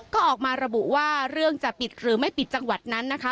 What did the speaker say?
ก็ออกมาระบุว่าเรื่องจะปิดหรือไม่ปิดจังหวัดนั้นนะคะ